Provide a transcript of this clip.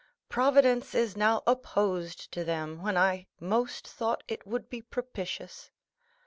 Providence is now opposed to them, when I most thought it would be propitious.